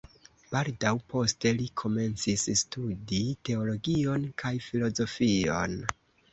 Baldaŭ poste li komencis studi teologion kaj filozofion.